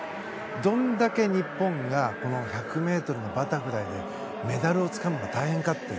どれだけ日本がこの１００ｍのバタフライでメダルをつかむのが大変かって。